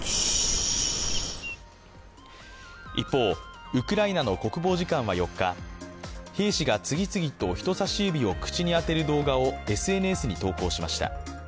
一方、ウクライナの国防次官は４日、兵士が次々と人さし指を口に当てる動画をＳＮＳに投稿しました。